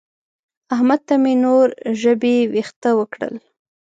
احمد ته مې نور ژبې وېښته وکړل.